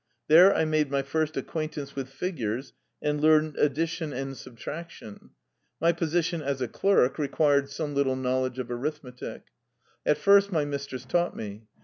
There I made my first acquaintance with figures and learned addition and subtraction. My position as a clerk required some little knowl edge of arithmetic. At first my mistress taught me.